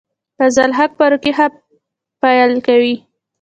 فضل الحق فاروقي ښه پیل کوي.